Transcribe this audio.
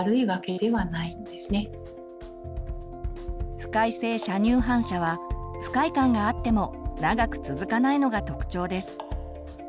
不快性射乳反射は不快感があっても長く続かないのが特徴です。